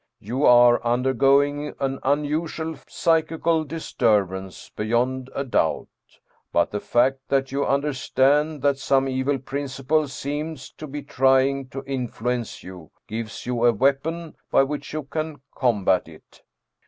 You are undergoing an unusual psychical disturbance, be yond a doubt. But the fact that you understand that some evil principle seems to be trying to influence you, gives you a weapon by which you can combat it.